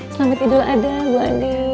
selamat idul adha bu ade